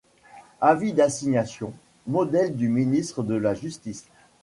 Avis d'assignation: Modèle du Ministre de la Justice.